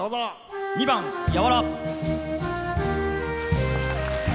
２番「柔」。